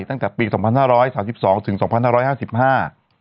ตั้งแต่ปีสองพันห้าร้อยสามสิบสองถึงสองพันห้าร้อยห้าสิบห้า